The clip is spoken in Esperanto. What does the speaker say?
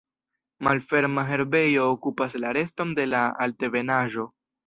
Malferma herbejo okupas la reston de la altebenaĵo.